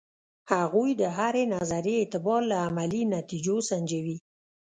هغوی د هرې نظریې اعتبار له عملي نتیجو سنجوي.